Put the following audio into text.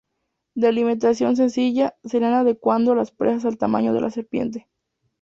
De alimentación sencilla, se irán adecuando las presas al tamaño de la serpiente.